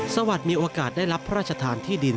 สวัสดีมีโอกาสได้รับพระราชทานที่ดิน